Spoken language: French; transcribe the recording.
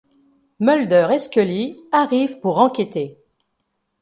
Mulder et Scully arrivent pour enquêter.